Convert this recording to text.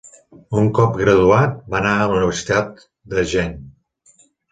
Un cop graduat, va anar a la Universitat de Ghent.